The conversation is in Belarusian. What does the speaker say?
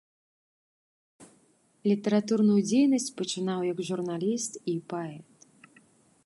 Літаратурную дзейнасць пачынаў як журналіст і паэт.